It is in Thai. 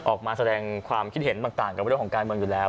ออกมาแสดงความคิดเห็นต่างกับวิธีของการบนอยู่แล้ว